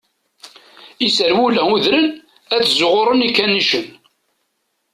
Iserwula udren, ad ẓuɣuren ikanicen.